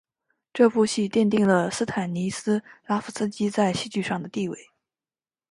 这部戏奠定了斯坦尼斯拉夫斯基在戏剧上的地位。